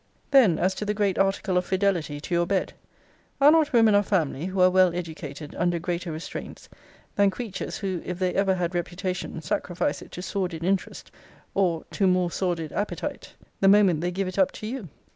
Then as to the great article of fidelity to your bed Are not women of family, who are well educated, under greater restraints, than creatures, who, if they ever had reputation, sacrifice it to sordid interest, or to more sordid appetite, the moment they give it up to you?